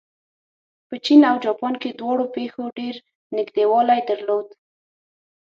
په چین او جاپان کې دواړو پېښو ډېر نږدېوالی درلود.